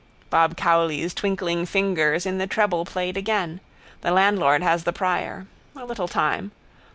Bob Cowley's twinkling fingers in the treble played again. The landlord has the prior. A little time.